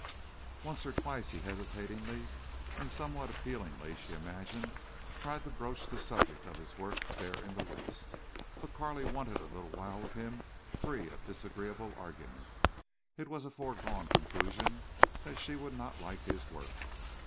Once or twice he hesitatingly, and somewhat appealingly, she imagined, tried to broach the subject of his work there in the West. But Carley wanted a little while with him free of disagreeable argument. It was a foregone conclusion that she would not like his work.